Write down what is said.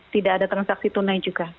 tidak ada transaksi tunai juga